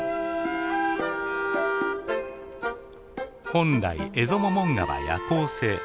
本来エゾモモンガは夜行性。